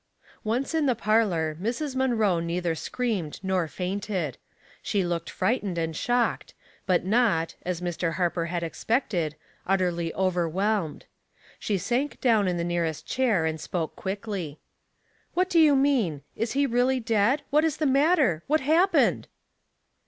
Once in the parlor Mrs. Munroe neither screamed nor fainted. She looked frightened and shocked, but not, as Mr. Harper had ex pected, utterly overwhelmed. She sank down in the nearest chair, and spoke quickly. " What do you mean ? Is he really dead ? What is th£ matter ? What happened